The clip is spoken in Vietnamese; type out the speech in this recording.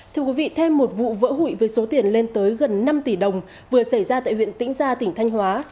thưa quý vị thêm một vụ vỡ hụi với số tiền lên tới gần năm tỷ đồng vừa xảy ra tại huyện tĩnh gia tỉnh thanh hóa